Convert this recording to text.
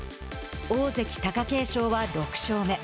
大関・貴景勝は６勝目。